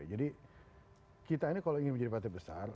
kita ini kalau ingin menjadi partai besar